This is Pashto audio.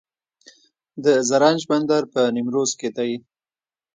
د زرنج بندر په نیمروز کې دی